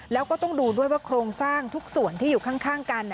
แล้วก็ต้องดูด้วยว่าโครงสร้างทุกส่วนที่อยู่ข้างกัน